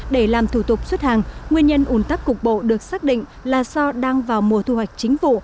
để làm thủ tục xuất hàng nguyên nhân ủn tắc cục bộ được xác định là do đang vào mùa thu hoạch chính vụ